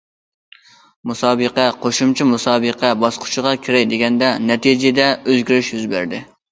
مۇسابىقە قوشۇمچە مۇسابىقە باسقۇچىغا كىرەي دېگەندە، نەتىجىدە ئۆزگىرىش يۈز بەردى.